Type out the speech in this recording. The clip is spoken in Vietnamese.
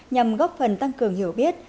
nhằm góp phần tăng cường hiểu biết